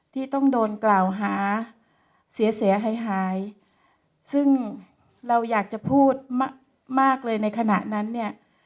ที่ต้องโดนกล่าวหาเสียหายหายซึ่งเราอยากจะพูดมากมากเลยในขณะนั้นเนี่ย